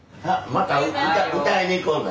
また歌歌いに行こうね。